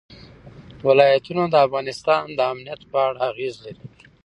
ولایتونه د افغانستان د امنیت په اړه اغېز لري.